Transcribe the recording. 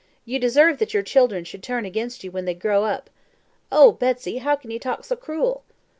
You deserve that your children should turn against you when they grow up. Oh, Betsy, how can you talk so cruel?"